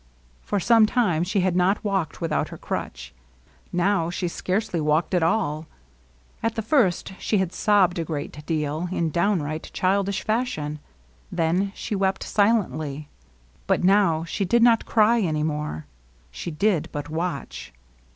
For some time she had not walked without her J crutch. Now she scarcely walked at all. At the \ first she had sobbed a good deal, in downright ^ childish fashion; then she wept silently; but now \ she did not cry any more, — she did but watch.